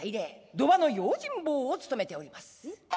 賭場の用心棒をつとめております。